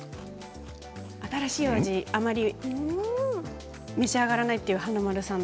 新しい味あまり召し上がらないという華丸さん